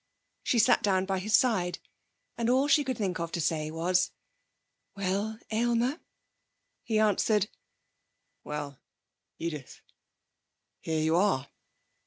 She sat down by his side, and all she could think of to say was: 'Well, Aylmer?' He answered: 'Well, Edith! Here you are.'